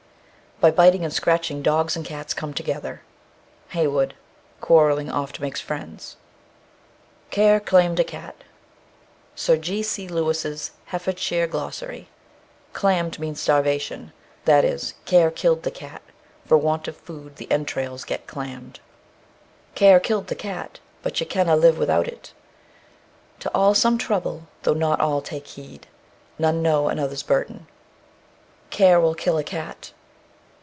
By biting and scratching dogs and cats come together. HEYWOOD. Quarrelling oft makes friends. Care clammed a cat. SIR G. C. LEWIS'S "Herefordshire Glossary." Clammed means starvation; that is, care killed the cat; for want of food the entrails get "clammed." Care killed the cat, but ye canna live without it. To all some trouble, though not all take heed. None know another's burden. _Care will kill a cat.